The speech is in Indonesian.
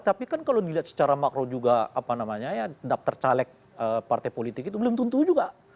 tapi kan kalau dilihat secara makro juga apa namanya ya daftar caleg partai politik itu belum tentu juga